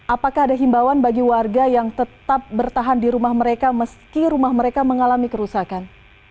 apakah ada himbawan bagi warga yang tetap bertahan di rumah mereka meski rumah mereka mengalami kerusakan